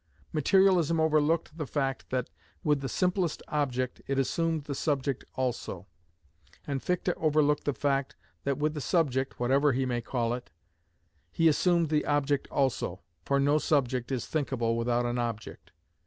Materialism overlooked the fact that, with the simplest object, it assumed the subject also; and Fichte overlooked the fact that with the subject (whatever he may call it) he assumed the object also, for no subject is thinkable without an object.